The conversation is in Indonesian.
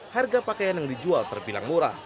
harga pakaian yang dijual terbilang murah